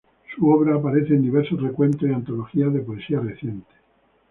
Su obra aparece en diversos recuentos y antologías de poesía reciente.